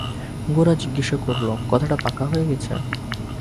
গোরা জিজ্ঞাসা করিল, কথাটা পাকা হয়ে গেছে?